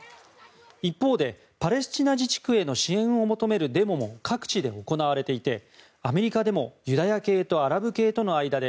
一方で、パレスチナ自治区への支援を求めるデモも各地で行われていてアメリカでもユダヤ系とアラブ系との間で